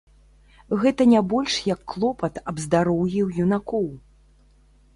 Гэта не больш як клопат аб здароўі юнакоў.